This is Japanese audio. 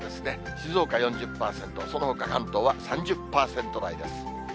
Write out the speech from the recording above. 静岡４０％、そのほか関東は３０％台です。